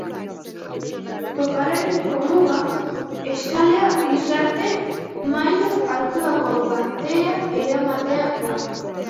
Jokalariaren jomuga, eskalea gizarte-maila altuago batera eramatea da.